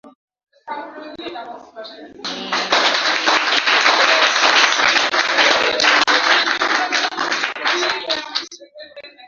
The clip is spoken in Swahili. Hii ni taasisi ya kwanza ya elimu ya juu katika Zanzibar.